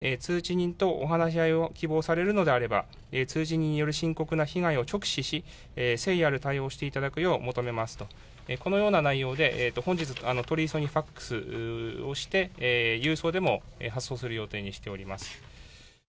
今後、通知人とお話し合いを希望するのであれば、通知人による深刻な被害を直視し、誠意ある対応をしていただくよう求めますと、このような内容で本日、取り急ぎファックスをして、郵送でも発送する予定にしております。